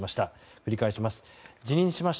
繰り返します。